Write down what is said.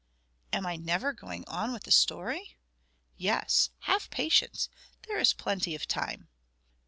Am I never going on with the story? Yes; have patience! there is plenty of time.